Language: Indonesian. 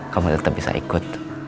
kamu tetap bisa ikut